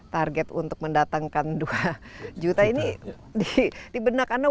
target untuk mendatangkan dua juta ini di benak anda